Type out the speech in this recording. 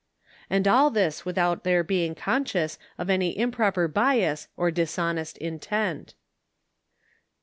And all this with out their being conscious of any improper bias or dishonest intent.